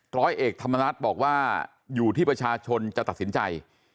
ร้อยเอกธรรมนัฏบอกว่าอยู่ที่ประชาชนจะตัดสินใจ